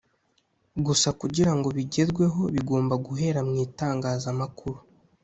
gusa kugira ngo bigerweho bigomba guhera mu itangazamakuru